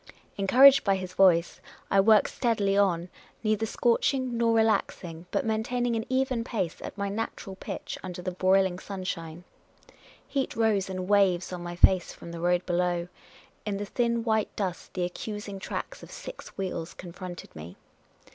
" Encouraged by his voice, I worked steadily on, neither scorching nor relaxing, but maintaining an even pace at my natural pitch under the broiling sunshine. Heat rose in waves on my face from the road below ; in the thin white dust the accusing tracks of six wheels confronted me.